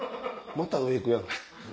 また上行くやん。